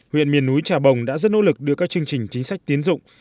huyện miền núi trà bồng đã rất nỗ lực đưa các chương trình chính sách tiến dụng